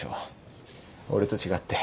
俺と違って。